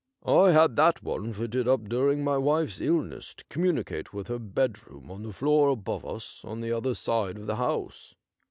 I had that one fitted up during my wife's ill ness to communicate with her bed room on the floor above us on the other side of the house.'